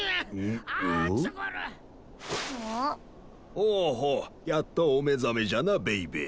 ほうほうやっとお目覚めじゃなベイベー。